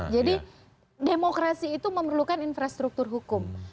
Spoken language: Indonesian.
jadi demokrasi itu memerlukan infrastruktur hukum